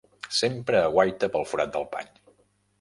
Sempre aguaita pel forat del pany.